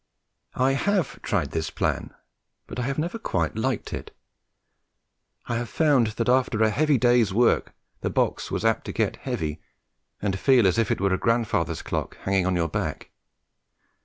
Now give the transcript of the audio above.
I have tried this plan, but I have never quite liked it. I have found that after a heavy day's work the box was apt to get heavy and feel as if it were a grandfather's clock hanging on your back.